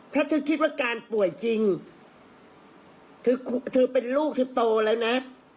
ถ้าเธอคิดว่าการป่วยจริงเธอเป็นลูกเธอโตแล้วนะ